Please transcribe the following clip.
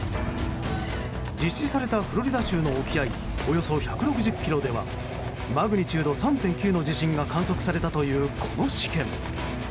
実施されたフロリダ州の沖合およそ１６０ｋｍではマグニチュード３．９の地震が観測されたという、この試験。